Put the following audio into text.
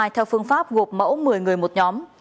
theo phương pháp gộp mẫu một mươi người một nhóm